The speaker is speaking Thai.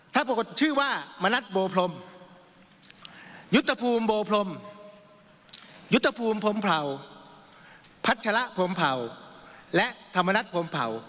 ถ้าปรากฏชื่อว่ามณัฐโบพรมยุทธภูมิโบพรมยุทธภูมิพรมเผ่าพัชระพรมเผ่าและธรรมนัฐพรมเผา